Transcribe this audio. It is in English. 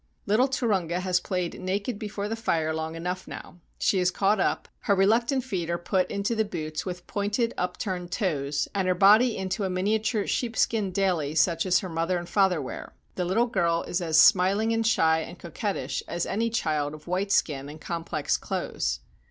Little Turunga has played naked before the fire long enough now; she is caught up; her reluctant feet are put into the boots with pointed upturned toes, and her body into a miniature sheepskin "daily," such as her mother and father wear. The little girl is as smiling and shy and coquettish as any child of white skin and complex clothes.